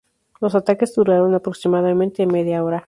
Los ataques duraron aproximadamente media hora.